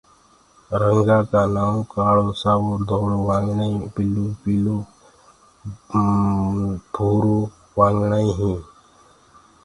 رنگآ ڪآ نآئونٚ ڪآݪو، سآوو، ڌوݪو، وآگڻآئي، بِلوُ، پيٚݪو، ڀُورو وآگڻآئي هينٚ۔